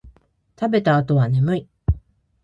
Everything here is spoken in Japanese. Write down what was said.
食べた後は眠い